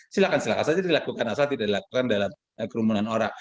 silahkan silakan saja dilakukan asal tidak dilakukan dalam kerumunan orang